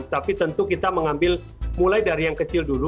tapi tentu kita mengambil mulai dari yang kecil dulu